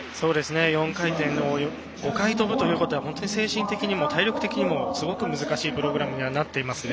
４回転を５回跳ぶということは本当に精神的にも体力的にもすごく難しいプログラムにはなっていますね。